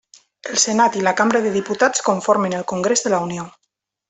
El Senat i la Cambra de Diputats conformen el Congrés de la Unió.